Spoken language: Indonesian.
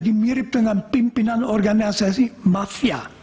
dimirip dengan pimpinan organisasi mafia